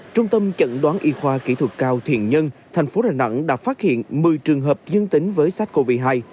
trung tâm chận đoán y khoa kỹ thuật cao thiện nhân tp hcm đã phát hiện một mươi trường hợp dân tính với sars cov hai